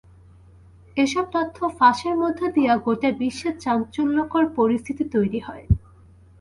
এসব তথ্য ফাঁসের মধ্য দিয়ে গোটা বিশ্বে চাঞ্চল্যকর পরিস্থিতি তৈরি হয়।